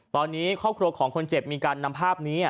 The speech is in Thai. ตอนนี้ครอบครัวของคนเจ็บมีการนำภาพนี้